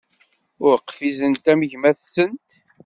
Ur qfizent am gma-tsent.